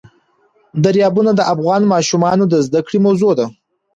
دریابونه د افغان ماشومانو د زده کړې موضوع ده.